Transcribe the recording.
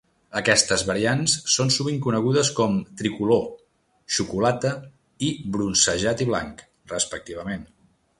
Aquestes variants són sovint conegudes com "Tri-Color", "Xocolata" i "Bronzejat i Blanc", respectivament.